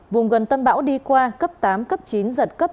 vùng gần tâm bão đi qua cấp tám cấp chín giật cấp tám